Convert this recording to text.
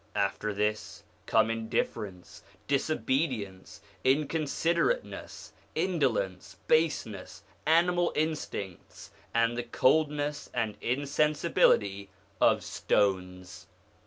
After this come indifference, disobedience, inconsiderateness, indolence, baseness, animal instincts, and the coldness and insensibility of stones.